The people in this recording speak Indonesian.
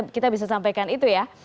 kita bisa sampaikan itu ya